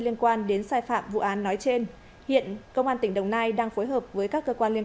liên quan đến sai phạm vụ án nói trên hiện công an tỉnh đồng nai đang phối hợp với các cơ quan liên